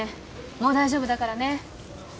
もう大丈夫だからね。